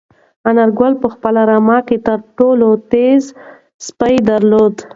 انارګل په خپله رمه کې تر ټولو تېز سپی درلود.